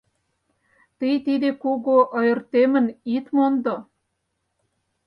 Тый тиде кугу ойыртемын ит мондо.